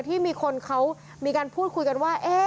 ที่มีคนเขามีการพูดคุยกันว่า